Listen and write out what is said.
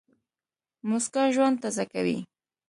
موسکا ژوند تازه کوي.